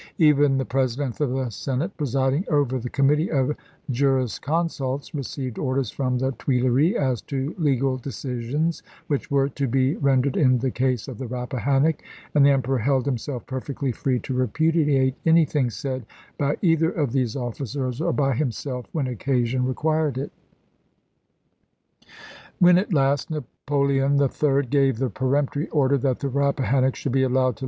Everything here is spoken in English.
Even the President of the Senate, presiding over the Com mittee of Jurisconsults, received orders from the Tuileries as to legal decisions which were to be rendered in the case of the Rappahannock, and the Emperor held himself perfectly free to repudiate anything said by either of these officers, or by himself, when occasion required it. THE LAST DAYS OF THE REBEL NAVY 141 When at last Napoleon III. gave the peremptory chap. vi. order that the Rappahannock should be allowed to i86±.